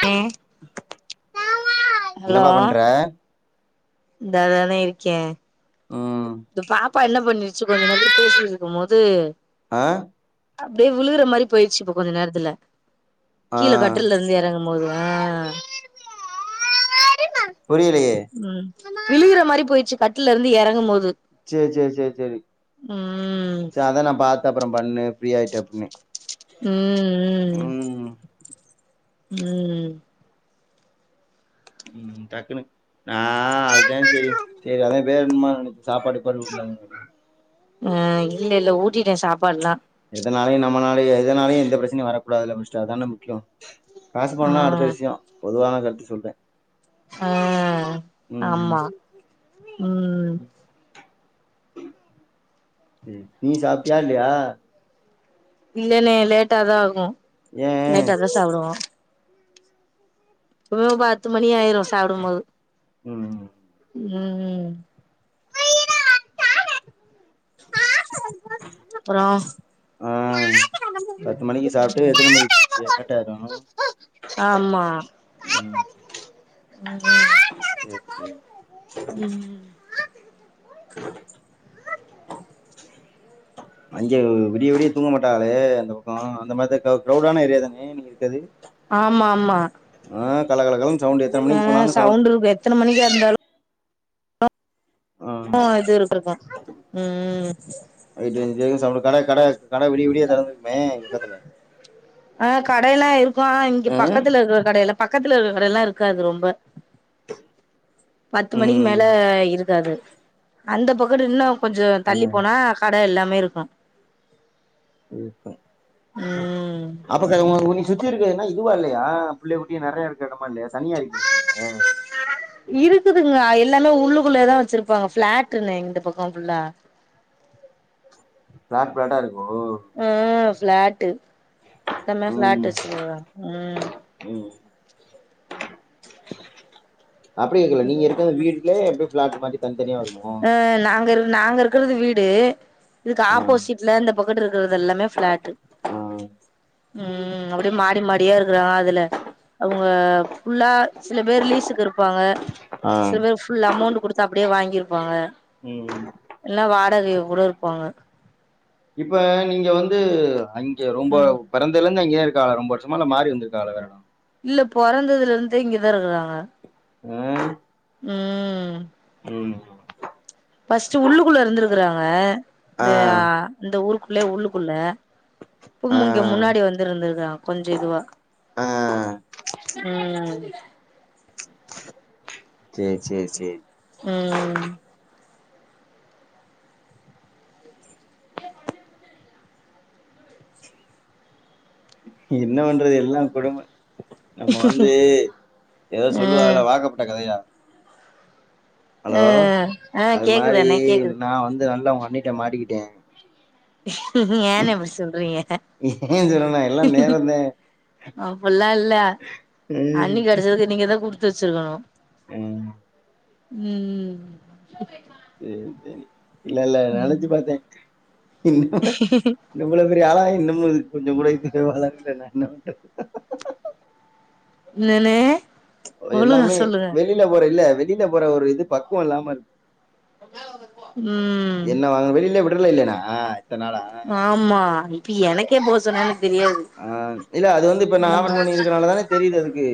hello என்னப்பா பண்ற இந்தாதானே இருக்கே ம் பாப் அப்பா என்ன பண்ணிருச்சு கொஞ்ச நதிரி பேசிருக்குபோது ஹ அப்டியே விழுகுற மாரி போயடுச்சு இப்ப கொஞ்ச நேரத்துல ஆ கீழே கட்டலருந்து எறங்கு போதுவே புரியலையே விழுகுற மாரி போயிடுச்சு கட்டுலருந்து எறங்கும் போது சரி சரி சரி சரி ம் சரி அதா நா பா அ அப்பற பண்ணு இப்டி ஆயிட்ட அப்டின்னு உஹம் உம் உம் டக்குன்னு நான் அதுதான் சரி சரி அதான் வேணுமானு நெனச்சேன் சாப்பாடு பருவத்தில் அஹ் இல்ல இல்ல ஊட்டிட்டேன் சாப்பாடுலாம் இதனாலயும் நம்மனாலே எதுனாலயும் எந்த பிரச்சனையும் வரக்கூடாதுல்ல முடிச்ச அதானே முக்கியம் காசு ஆ பணம்னா அடுத்த விஷயம் பொதுவான கருத்து சொல்றேன் ஆஹ் ஆமாம் உம் நீ சாப்ட்டியா இல்லையா இல்லேனே லேட்டாதான் ஆகும் ஏ லேட்டா தான் சாப்பிடுவோம் எப்பவும் பத்து மணி ஆயிரும் சாப்பிடும்போது உம் உம் ம்ம் அப்புறம் ஆஹ் பத்து மணிக்கு சாப்பிட்டு எத்தனை மணிக்கு லேட்டாயிரும் ஆமா உம் செரி செரி உம் [unintelligible] விடிய விடிய தூங்க மாட்டாகளே அந்த பக்கோ அந்த மாதிரி க்ரௌடான ஏரியா தானே நீ இருக்கது ஆமா ஆமா கலகலகலன்னு சவுண்ட் எத்தன அ மணிக்கு போனாலு சவுண்ட் இரு எத்தன மணிக்க இருந்தாலு ஆ அ இது இருக்ருக்கு ம் நைட்டு அஞ்சு வரைக்கு சவுண்ட் கட கட கட விடிய விடிய தொறந்துருக்குமே பக்கத்துல அ கடையெல்லா இருக் கு இங்க ஆ பக்கத்துல இருக்கிற கடையில பக்கத்துல [unintelligible] கடயெல்லா இருக்காது ரொம்ப பத்து மணிக்கு மேல ம் இருக்காது அந்த பக் [unintelligible] இன்னு கொஞ்சோ ஆ தள்ளி போனா கட எல்லா இருக்கு [inaudible] அப்ப ம் [unintelligible] நீ சுத்தி இருக்கிற என்ன இதுவா இல்லையா பிள்ள குட்டி நெறைய இருக்க எடோ [unintelligible] தனியா இருக்கிங்ளா நீங்க ங்க எல்லாமே உள்ளுக்குள்ளேதா வச்சிருப்பாங்க ஃப்ளாட்டுண்ணே இந்த பக்கோ ஃபுல்லா பிளாட் பிளாட்டாருக்கு ஓ ஃப்ளாட்டு த்தமே ஃபிளாட் வெச்சி [inaudible] உம் ம் அப்டி இருக்கல நீங்க இருக்க ம் வீட்லயே அப்டியே ஃபிளாட் மாரி தனித்தனியா வருமோ அ நாங்க இர் நாங்க இருக்கறது வீடு இதுக்கு ஆ ஆப்போசிட்ல இந்த [unintelligible] றது எல்லாமே ஃபிளாட்டு ஆ உம் அப்டே மாடி மாடியா இருக்கறாங்க அதுல அவுங்க ஃபுல்லா சில பேர் லீஸுக்கு இருப்பாங்க ஆ சில பேர் ஃபுல் அமௌண்டு குடுத் அப்டியே வாங்கியிருப்பாங்க உம் ம் [unintelligible] கூட இருப்பாங்க இப்ப நீங்க வந்து அங் கியே ரொம்ப ம் பிறந்தல இன்ன இங்கியே இருக்காகலா ரொம்ப வருஷமா இல்ல மாறி வந்துருக்காகல வேற எடோ இல்ல பொறந்ததுலருந்தே இங்கதா இருக்கறாங்க உம் உம் உம் பஸ்ட்டு உள்ளுக்குள்ள இருந்துருக்கறாங்க இந்த ஆ அ இந்த ஊருக்கு ள்ளே உள்ளுக்குள்ள ஆ ப்பமு இங்க முன்னாடி வந்திருந்திருக்காங்க கொஞ்ச இதுவா ஆ உம் சேர் சேர் சேரி ம் [inaudible] என்ன பண்றது எல்லாங் கொடும நம்ம வந்து எதோ ம் சொல்லுவாகல்ல வாக்கப்பட்ட கதையா ஹலோ அ ஆ அது கேக்குது மாரி அண்ணே கேக்குது நா வந்து நல்லவ ண்ணிட்ட மாட்டிக்கிட்டே ஏன்னெ இப்டி சொல்றீங்க ஏ சொல்லனா எல்லா நேரந்தே அப்பல்லா இல்ல ம் அண்ணி கெடச்சதுக்கு நீங்கதா குடு துச்சுருகணு உம் உம் சேரி சேரி இல்லல்ல நெனச்சு பாத்தே இன்னு இவ்வளவு பெரிய ஆளாயி இன்னமு இதுக் கொஞ்சங் கூட இதுக் வளருல [unintelligible] ன்னனே எல்லாமே வெளில போற இல்ல வெளி ல போற ஒரு இது பக்குவொ இல்லாமருக் உம் கிடல்ல இல்லேனா ஆமா இப்பி எனக் கே போசன [inaudible] ஆ இல்ல அது வந்து இப்ப நா [unintelligible] பண்ணி வச்சருக்கனாலதானெ தெரிது அதுக்கு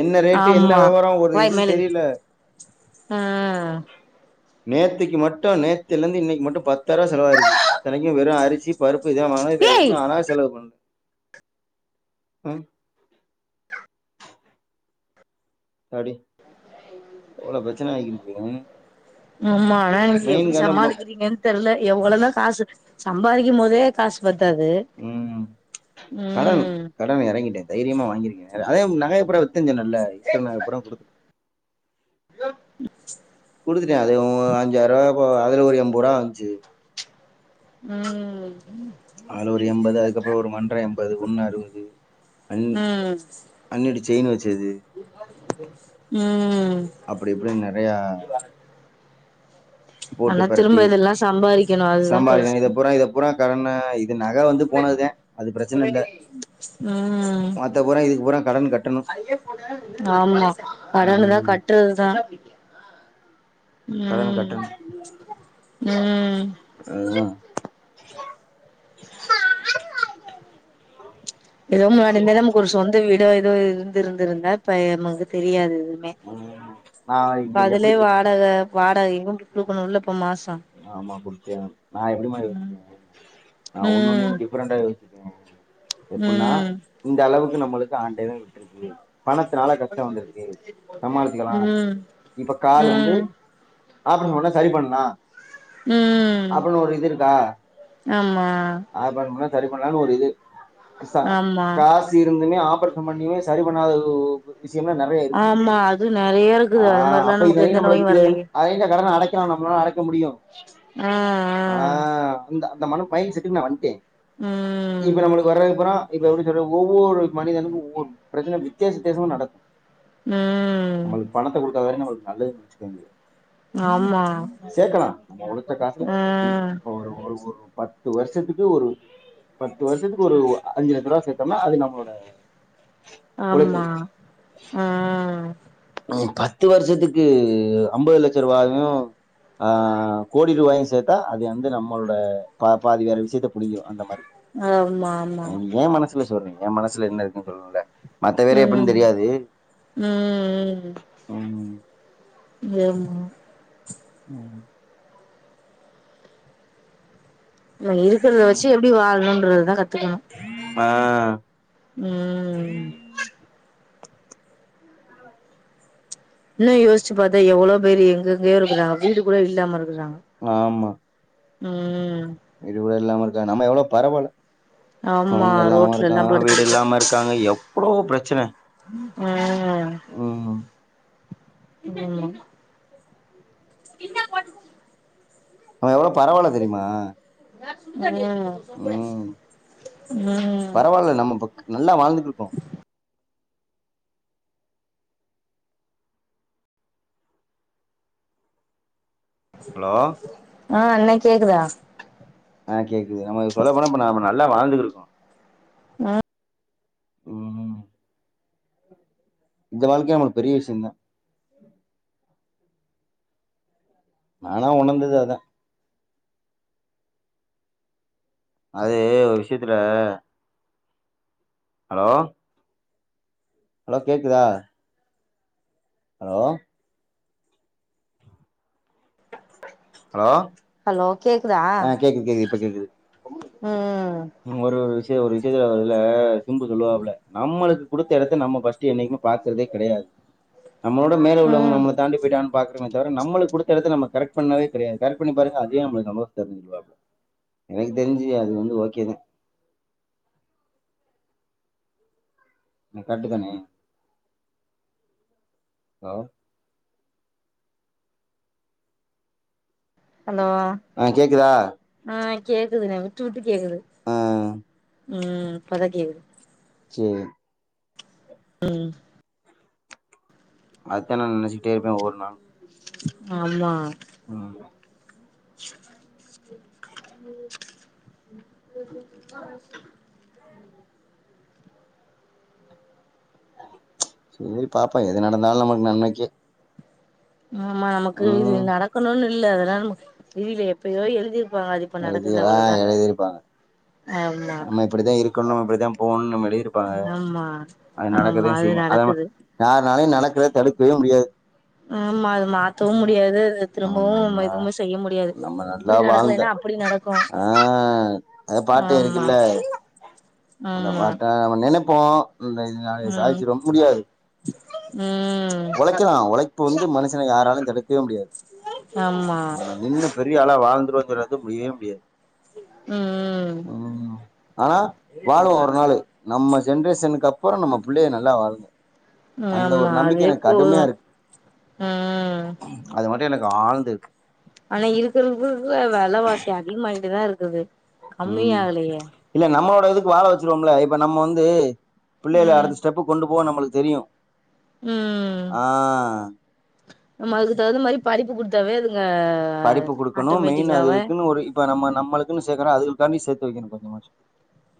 என்ன ரேட்டு என்ன ஆமா வெவரோ ஒரு இது வாய் மேல தெரிய்ல ஆ நேத்திக்கி மட்டு நேத்துலந்து இன்னைக் மட்டு பத்தாய்ருவா செலவாயிருக்கு தனைக்கு வெறு அரிசி பருப் பு இதா வாங்குனோ வேற என்ன ஏய் அனா செலவு பண் ம் த்தாடி எவ்ளோ பெரச்சன ஆயிக்கிருக்கு ம் ஆமா ஆனா நீங்க எப்டி சமாளிக்கிறீங்கன் தெர்ல எவ்வளதா காசு சம்பாதிக்கும்போதே காஸ் பத் உம் கடன் ம் கடன் எறங்கிட்டே தைரியமா வாங்கிருக்கே நகை நகைய பூரா வித் தன் ஜொன்னல்ல இருக்குற நகய பூரா குடுத்து குடுத்துட்டே அது உ அஞ்சாய்ருவா ஓ அதுல ஒரு எம்பருவா வந்ச்சு உம் ஆலொரு எம்பது அதுக்கப்பறோ ஒரு மன்ற எம்பது ஒண்ணு அறுவது அன்னி ம் அண்ணியொட செயின வச்சது உம் அப்டி இப்டின் நறையா ஆனா திரும்ப இதெல்லா சம்பாரிக்கெணு அதுதா கஷ்ட்டோ கடன்னாயி இது நக வந்து போனதுதா அது ப்ரச்சுன்னுல்ல மத்த போற இதுக் போற [unintelligible] ஆம்மா கடனதா ம் கட்டறதுதா கடன் உம் உம் உம் [unintelligible] நமக் ஒரு சொந்த வீட் தே இதோ இருந்துருந்துருந்தா இப்ப எமேக் தெரியாது ப்புமே ம் நா இப்ப இங்க அதுலியே எப்படி தெரியுமா வாடக வாடக [unintelligible] குடுக்குனுல்லப் ஆமா குடுத்தே ஆவணு நா எப்டிமா யோசிக்கணு நா ஒன்னொன்னையு ம் டிஃப்ரெண்டா யோசிக்கனு எப்புன்னா ம் இந்த அளவுக் இது நம்முளுக்கு ஆண்டவே விட்ருக்கு பணத்துனால கஷ்டோ வந்திருக்கு சமாளிச்சுகுலாம் ம் இப்ப கால்லிந்து ம் அப்பிடின் ஒன்னே சரி பண்லா உம் அப்டின்னு ஒரு இது இருக்கா அம்மா ஆப்ரேஷன் பண்ணா சரி பண்ணுலான் ஒரு இது ஹஸ்ஷா ஆமா காஸ்சு இருந்துமே ஆப்பல் மிச்ச பண்ணியே சரி பண்ணாத இது விஷ்யல நெறயா இருக்கு ஆமா அது நெறைய இருக்குது ஹா அது மாரிலா அப்ப இதை நமக்கு [unintelligible] எந்த நோயு வரலையே அடைக்கிறா நம்மலால்ல அடைக்க முடியு ம் ஹ் ஆ ம் ஹ் அந்த மனம் பயின் செட்டிங் நா வன்டேன் ம் இப்ப நம்முளுக் வரதுபூறா இப்ப எப்டி சொல்ற ஒர் ஒரு மனிதனுக்கு ஒவ்வொரு பிரச்சன வித்தியேச வித்தியேசம நடக்கு உம்ஹ் த்தாக நம்ளுக் நல்லது நினச்சுகோங்க ஆமா சேக்கலா [unintelligible] ஆ இப்ப ஒரு ஒரு பத்து வருஷத்துக்கு ஒரு பத்து வருஷத்துக்கு ஒரு அஞ்சுலெச்ச ரூவா சேத்தோம்னா அது நம்மளோட உழைப்பு ஆம்மா ம் ஹ் பத்து வருஷத்துக்கு ஐம்பது லட்சம் ரூபாயும் ஆஹ் கோடி ரூபாயும் சேர்த்தா அது வந்து நம்மளோட பா பாதி வேற விஷயத்த புடிங்கிரு அந்த மாதிரி ஆமா ஆமா சொல்றீங்க என் மனசல என்ன இருக்குன்னு சொல்லுங்ல உம் உம்ஹ் ம், [unintelligible] உம் இருக்கிறத வச்சு எப்படி வாழணும்ன்றத தான் கத்துக்கணும் ஆஹ் உம்ஹ் இன்னு யோஸ்ச்சு பாத்தா எவ்ளோ பேர் எங்கெங்கயோ இருக்குறங்க வீடு கூட இல்லாம இருக் ஆமா உம் இதுவு இல்லாமல் [unintelligible] நம்ம எவ்வளோ பரவால ஆமா கொழந்த இல்லாம ரோட்ல எல்லா இருக்காங்க வீடு படுத்துக்கிட்டு இல்லாம இருக்காங்க எப் வ்ளோ ப்ரச்சனை உம் உம் [inaudible] [unintelligible] நம்ம எவ்ளோ பரவல தெரிமா [inaudible] ம் ம் பரவால்ல நம்ம இப்ப நல்லா வாழ்ந்துட் இருக்கோ ஹலோ அ அண்ணே கேக்குதா அ கேக்குது நம்ம சொல்ல போன [unintelligible] நம்ம நல் லா வாழ்ந்துகிருக்கோ ம் உம் இந்த வாழ்க்கயே நம்மளுக்கு பெரிய விஸியு தா நானா உணர்ந்தது அதா அது ஒரு விஷ்யத்துல ஹலோ ஹலோ கேக்குதா ஹலோ ஹலோ ஹலோ கேக்குதா அ கேக்குது கேக்குது இப்ப கேக்குது ம் ம் ஒரு விஷியோ ஒரு விஷ் [unintelligible] ல சிம்பு சொல்லுவாபுல நம்மளுக்கு குடுத்த எடத்த நம்ம ஃபஸ்ட்டு என்னைக்மே பாக்குற்தே கெடயாது நம்மளோட மேல உள்ளவங்க ம் நம்மள தாண்டி போய்டாங்களான் பா குறோமே தவிர நம்மளுக் குடுத்த எடத்த நம்ம கரெக் பண்ணேவே கெடயாது கரக் பண்ணி பாருங்க அத்யே நம்மளுக்கு நம் [unintelligible] எனக்கு தெரிஞ்சு அது வந்து ஓகே தா என்ன கர்ட்டு தானே ஹலோ ஹலோ ஆ கேக்குதா அ கேக்குதுணே விட்டு விட்டு கேக்குது ஆ உம் இப்போதைக்கி சேரி உம் அதத்தா நா நெனச்சுக்ட்டே இருப்பே ஒவ்வொரு நாளு ஆமா உம் சேரி பாப்போ எது நடந்தாலு நமக்கு நன்மைக்கே ஆமா எனக்கு இது நடக்கணுனு இல்ல எதாவ்து உயிலு எப்பயோ எழுதிற் எழுதி ஆஹ் எழுதிருப்பாங்க ஆமா நம்ம இப்டித்தா இருக்கணு இப்டித்தா போகணுன் நம்ம எழுதிருப்பாங்க ஆமா அது ஆமா நடக்கதா அது செய்யு அதலா நடக்குது யார்நாளு நடக் றத தடுக்கவே முடியாது நேம்மாயாரு மாத்தவு முடியாது திரும்பவு நம்ம எதுவுமே செய்ய முடியாது நம்ம நல்லா இப்டி வாழ்ந்த நடக்கலைனா அப்டி நடக்கு ஆ அந்த பாட்டு ஆமா இருக்குல்ல ஆமா ப்போ இல்ல இதுனால ம் சாதிச்சு ரொம்ப முடியாது ம் ஒழைக்கலா ஒழைப்பு வந்து மனுசன யாராலும் தடுக்கவே முடியாது ஆமாம் பெரியாளா வாழ்ந்துவன் சொல்றது முடியவே முடியாது ம் உம் ஆனா வாழுவோம் ஒரு நாளு நம்ம ஜென்ரேஷனுக்கு அப்புறம் நம்ம பிள்ளைய நல்லா வாழனும் ஆமா அதே போதும் ஹ்ம் அது எனக்கு ஆழ்ந்து இருக்கு அப்படிதான் இருக்குது ஹும் கம்மியாகலையே இல்ல நம்மோ இப்ப இதுக் வாழ வச்சுருவோம்ல இப்ப நம்ம வந்து பிள்ளைய ம் அடுத்த ஸ்டெப்புக் கொண்டு போ நம்மளுக்கு தெரியும் ம் ஆஹ் நம்ம அதுக்கு தகுந்த மாரி படிப்பு குடுத்தாவே அதுக் படிப்புக் குடுக்கணும் மெயின் அதுக்குன்னு ஒரு இப்ப நம்ம நம்மளுக்குன்னு சேக்கரோம் அதுகளுக் காண்டி சேர்த்து வைக்கணும் கொஞ்சமாச்சு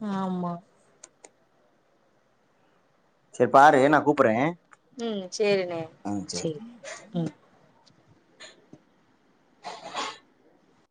ஹு ஆமா செர் பாரு நான் கூப்புறேன் ஹும் சேரின சைரி ஹும்